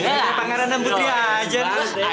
gila pengen nang putri aja